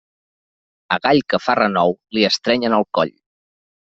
A gall que fa renou, li estrenyen el coll.